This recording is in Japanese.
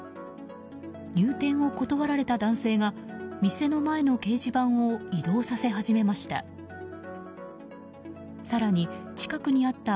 入店を断られた男性が店の前の掲示板を移動させ始めました。